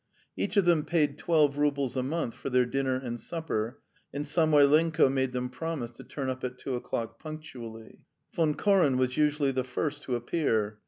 Each of them paid twelve roubles a month for their dinner and supper, and Samoylenko made them promise to turn up at two o'clock punctually. Von Koren was usually the first to appear.